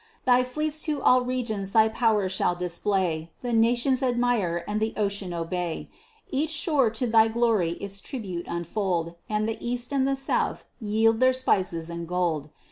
Thy fleets to all regions thy power shall display, The nations admire and the ocean obey; Each shore to thy glory its tribute unfold, And the east and the south yield their spices and gold.